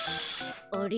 あれ？